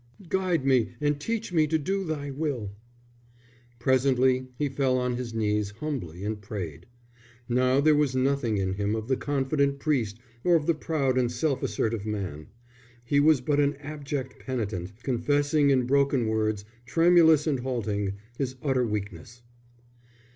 Guide me and teach me to do Thy will." Presently he fell on his knees humbly and prayed. Now there was nothing in him of the confident priest or of the proud and self assertive man; he was but an abject penitent, confessing in broken words, tremulous and halting, his utter weakness.